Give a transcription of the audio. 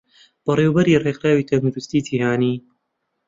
بەڕێوەبەری ڕێکخراوەی تەندروستیی جیهانی